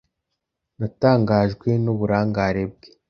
Natangajwe n'uburangare bwe.